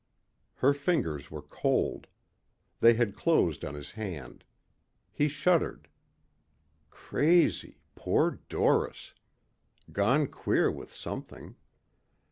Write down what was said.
Her fingers were cold. They had closed on his hand. He shuddered. Crazy ... poor Doris. Gone queer with something.